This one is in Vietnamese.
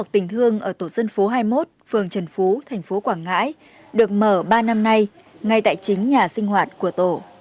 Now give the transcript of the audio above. trần bạch đạt nhân ở phường trần phú tp quảng ngãi được mở ba năm nay ngay tại chính nhà sinh hoạt của tổ